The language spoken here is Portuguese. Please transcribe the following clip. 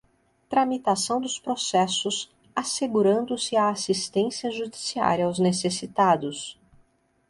tramitação dos processos, assegurando-se assistência judiciária aos necessitados;